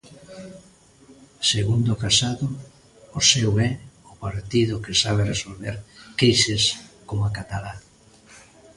Segundo Casado, o seu é o partido que sabe resolver crises coma a catalá.